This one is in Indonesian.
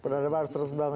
peradaban harus terus bangun